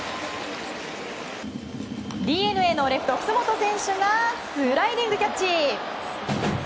ＤｅＮＡのレフト、楠本選手がスライディングキャッチ！